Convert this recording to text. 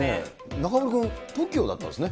中丸君、ＴＯＫＩＯだったんですね。